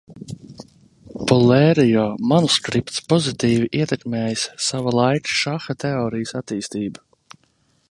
Polērio manuskripts pozitīvi ietekmējis sava laika šaha teorijas attīstību.